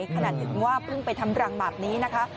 ขนาดถึงว่าเพิ่งไปทำรังแบบนี้นะคะ